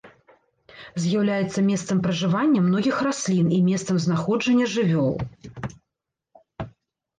З'яўляецца месцам пражывання многіх раслін і месцам знаходжання жывёл.